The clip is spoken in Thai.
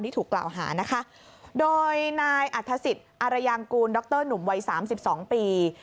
ที่ถูกกล่าวหานะคะโดยนายอัทศิษฐ์อารยางกูลดรหนุ่มวัย๓๒ปี